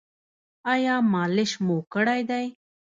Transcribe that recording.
ایا مالش مو کړی دی؟